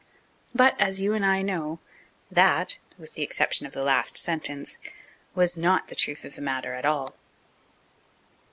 But, as you and I know, that, with the exception of the last sentence, was not the truth of the matter at all.